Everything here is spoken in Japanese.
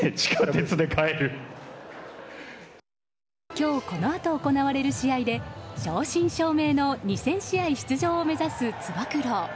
今日このあと行われる試合で正真正銘の２０００試合出場を目指す、つば九郎。